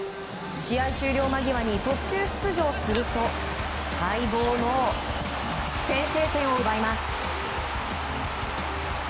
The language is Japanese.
試合終了間際に途中出場すると待望の先制点を奪います。